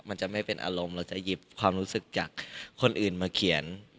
มันจะไม่เป็นอารมณ์เราจะหยิบความรู้สึกจากคนอื่นมาเขียน